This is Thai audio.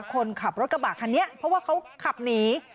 คนขับรถกระบะคันนี้เพราะว่าเขาขับหนี